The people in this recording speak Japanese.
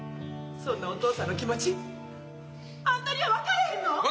そんなお父さんの気持ちあんたには分かれへんの？